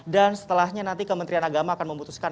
dan setelahnya nanti kementerian agama akan memutuskan